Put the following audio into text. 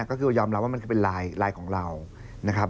ก็คือยอมรับว่ามันจะเป็นไลน์ของเรานะครับ